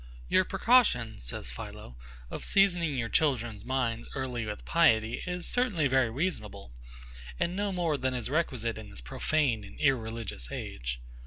Your precaution, says PHILO, of seasoning your children's minds early with piety, is certainly very reasonable; and no more than is requisite in this profane and irreligious age.